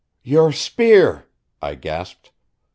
"Your spear!" I gasped.